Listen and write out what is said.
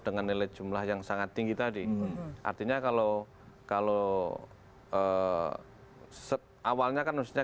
dengan nilai jumlah yang sangat tinggi tadi artinya kalau kalau awalnya kan mestinya